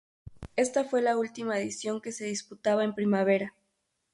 Esta fue la última edición que se disputaba en primavera.